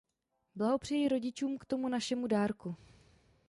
Blahopřeji rodičům k tomu našemu dárku.